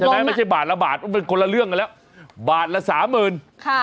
ไม่ใช่บาทละบาทมันคนละเรื่องกันแล้วบาทละสามหมื่นค่ะ